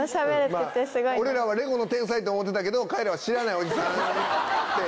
俺らはレゴの天才って思うてたけどかいらは「知らないおじさん」って。